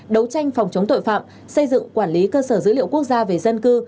đấu tranh phòng chống tội phạm xây dựng quản lý cơ sở dữ liệu quốc gia về dân cư